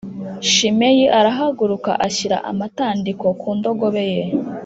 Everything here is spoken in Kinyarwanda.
Shimeyi arahaguruka ashyira amatandiko ku ndogobe ye